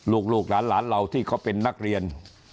ลูกหลานเราที่เขาเป็นนักเรียน